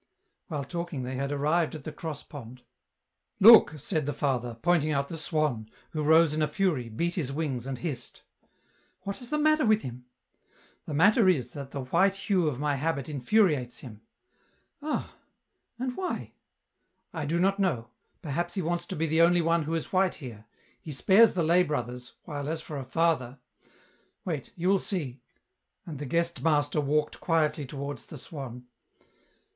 While talking, they had arrived at the cross pond. " Look," said the father, pointing out the swan, who rose in a fury, beat his wings, and hissed. " What is the matter with him ?"" The matter is that the white hue of my habit infuriates him." " Ah ! and M?hy ?"" I do not know ; perhaps he wants to be the only one who is white here ; he spares the lay brothers, while as for a father ... wait, you will see." And the guest master walked quietly towards tht swan.